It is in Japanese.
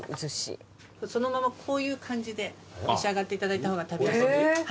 そのままこういう感じで召し上がっていただいた方が食べやすい。